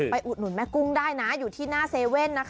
มาอุดหนุนแม่กุ้งได้อยู่ที่หน้าเซเว่น